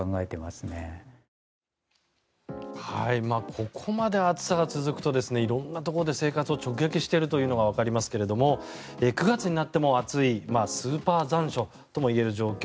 ここまで暑さが続くと色んなところで生活を直撃していることがわかりますが９月になっても暑いスーパー残暑ともいえる状況。